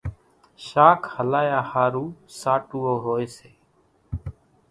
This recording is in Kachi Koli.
شاک هلايا ۿارُو ساٽُوئو هوئيَ سي۔